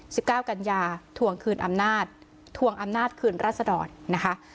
สิบเก้ากัญญาทวงคืนอำนาจทวงอำนาจคืนรัศดรนะคะ